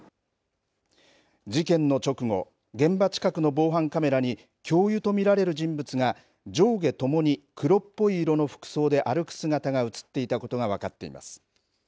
事件の直後現場近くの防犯カメラに教諭と見られる人物が上下ともに黒っぽい色の服装で歩く姿が映っていたことが分かっています。